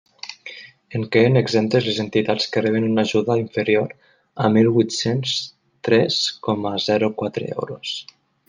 En queden exemptes les entitats que reben una ajuda inferior a mil huit-cents tres coma zero quatre euros.